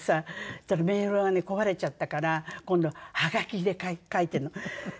そしたらメールがね壊れちゃったから今度ははがきで書いてるの。